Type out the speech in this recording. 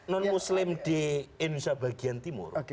non muslim di indonesia bagian timur